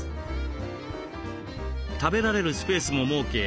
食べられるスペースも設け